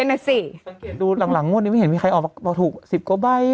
ตอนนี้ช่วงลงไม่เห็นมีใครออกมาถูก๑๐กบไบก์